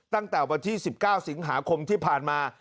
ตั้งแต่วันที่๑๙สิงหาคมที่ผ่านมา